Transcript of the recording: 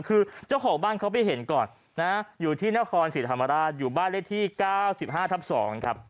คือเจ้าของบ้านเขาไปเห็นก่อนนะอยู่ที่นครศรีธรรมราชอยู่บ้านเลขที่๙๕ทับ๒ครับ